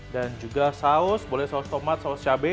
dan juga saus boleh saus tomat saus cabai